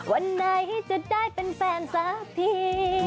วันไหนจะได้เป็นแฟนสักที